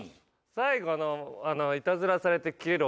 最後のいたずらされてキレる